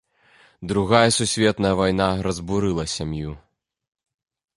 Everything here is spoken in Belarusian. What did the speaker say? Другая сусветная вайна разбурыла сям'ю.